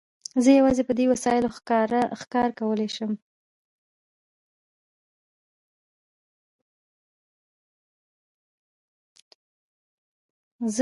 زه یوازې په دې وسایلو ښکار کولای شم.